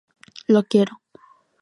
Lo quiero".